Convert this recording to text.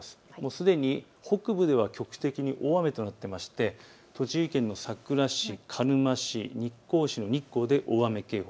すでに北部では局地的に大雨となっていまして栃木県のさくら市、鹿沼市、日光市の日光で大雨警報。